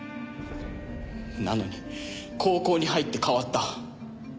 なのに高校に入って変わった。